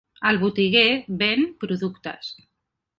El botiguer ven productes.